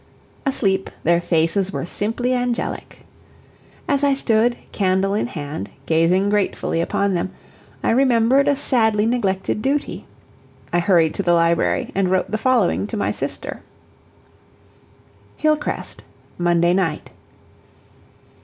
Asleep, their faces were simply angelic. As I stood, candle in hand, gazing gratefully upon them, I remembered a sadly neglected duty. I hurried to the library and wrote the following to my sister: "HILLCREST, Monday Night.